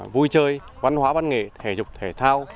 vui chơi văn hóa văn nghệ thể dục thể thao